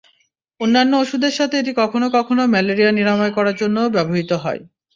অন্যান্য ওষুধের সাথে এটি কখনও কখনও ম্যালেরিয়া নিরাময় করার জন্যও ব্যবহৃত হয়।